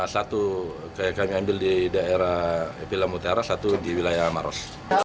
satu kami ambil di daerah pilam utara satu di wilayah maros